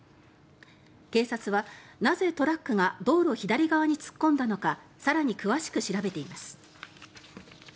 警察は、なぜトラックが道路左側に突っ込んだのか更に詳しく調べています。